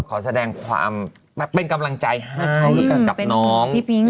ก็ขอแสดงความเป็นกำลังใจให้เขาแล้วกันกับน้อง